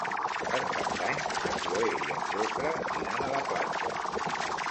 Per Cap d'Any na Cloè i en Jofre iran a la platja.